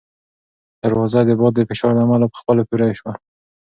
دروازه د باد د فشار له امله په خپله پورې شوه.